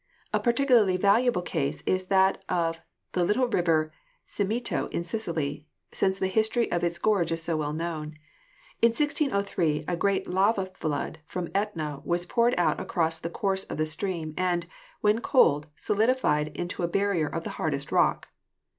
A particularly valuable case is that of the little river Simeto in Sicily, since the history of its gorge is so well known. In 1603 a great lava flood from ^Etna was poured out across the course of the stream, and, when cold, solidified into a bar rier of the hardest rock.